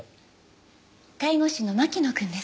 介護士の牧野くんです。